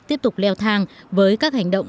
tiếp tục leo thang với các hành động